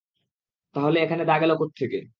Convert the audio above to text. তাহলে এখানে দাগ এলো কোথ্থেকে?